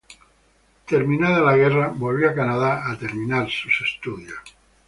Terminada la guerra volvió a Canadá a terminar sus estudios.